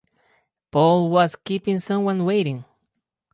Paul was keeping someone waiting.